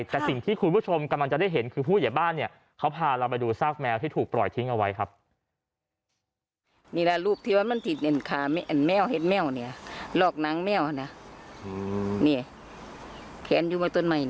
แต่สิ่งที่คุณผู้ชมกำลังจะได้เห็นคือผู้ใหญ่บ้านเนี่ยเขาพาเราไปดูซากแมวที่ถูกปล่อยทิ้งเอาไว้ครับ